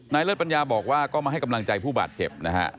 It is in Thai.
เลิศปัญญาบอกว่าก็มาให้กำลังใจผู้บาดเจ็บนะฮะ